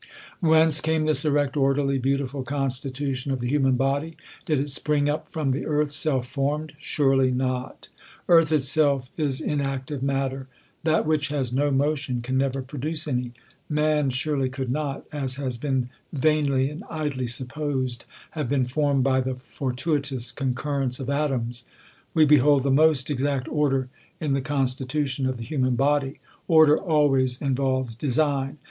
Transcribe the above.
Whence came this erect, orderly, beautiful constitu tion of the human body ? Did it spring up from the earth, self formed ? Surely not. Earth itself is in active matter. That which has no motion can never produce any. Man surely could not, as has been vainly and idly supposed, have been formed by the for tuitous concurrence of atoms. We behoW the most ex act order in the constitution of the human body. Or der always involves design.